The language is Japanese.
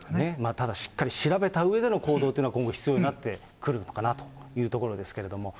ただしっかり調べたうえでの行動というのは、今後必要になってくるのかなというところですけれども。